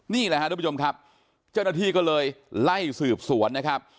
นี่แหละครับทุกผู้ชมครับเจ้าหน้าที่ก็เลยไล่สืบสวนนะครับ